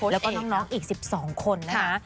แล้วก็น้องอีก๑๒คนนะคะ